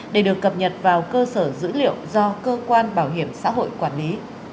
để được cập nhật vào cơ sở dữ liệu do cơ quan bảo hiểm xã hội quản lý